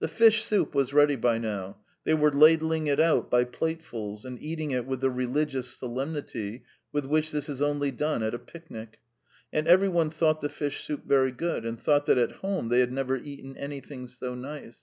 The fish soup was ready by now. They were ladling it out by platefuls, and eating it with the religious solemnity with which this is only done at a picnic; and every one thought the fish soup very good, and thought that at home they had never eaten anything so nice.